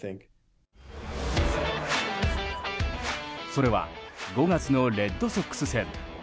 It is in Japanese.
それは５月のレッドソックス戦。